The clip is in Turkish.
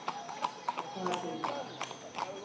Sakin kal.